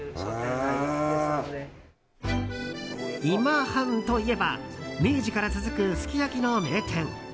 今半といえば明治から続くすき焼きの名店。